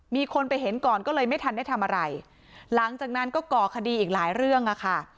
มีคนไปเห็นก่อนก็เลยไม่ทันได้ทำอะไรหลังจากนั้นก็ก่อคดีอีกหลายเรื่องอ่ะค่ะ